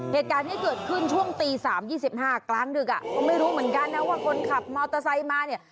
เหตุการณ์ที่เกิดขึ้นช่วงตี๓๒๕กลางดึกก็ไม่รู้เหมือนกันนะว่าคนขับมอเตอร์ไซค์มาเนี่ย